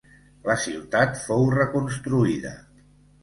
La ciutat fou reconstruïda.